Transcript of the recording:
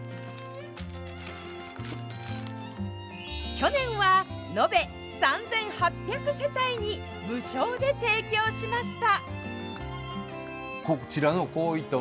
去年は延べ３８００世帯に無償で提供しました。